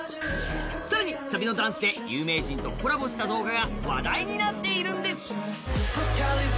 更にさびのダンスで、有名人とコラボしたダンスが話題になっているんです。